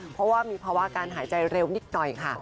เพราะว่ามีภาวะการหายใจเร็วนิดหน่อยค่ะ